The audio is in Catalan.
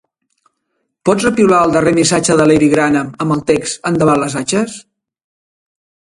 Pots repiular el darrer missatge de Lady Grantham amb el text “endavant les atxes”?